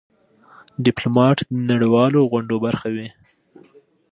ډيپلومات د نړېوالو غونډو برخه وي.